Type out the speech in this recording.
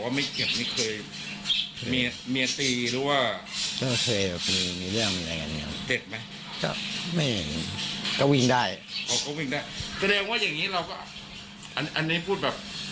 เอาไว้รู้สึกเพียงเมียหรือบ้าง